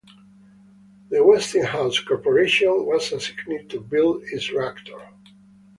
The Westinghouse Corporation was assigned to build its reactor.